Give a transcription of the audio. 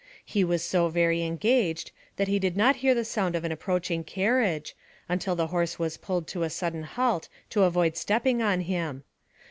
He was so very engaged that he did not hear the sound of an approaching carriage, until the horse was pulled to a sudden halt to avoid stepping on him.